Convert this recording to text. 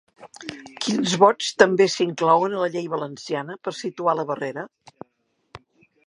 Quins vots també s'inclouen a la llei valenciana per situar la barrera?